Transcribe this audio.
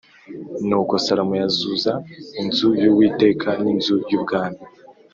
Nuko Salomo yuzuza inzu y’Uwiteka n’inzu y’ubwami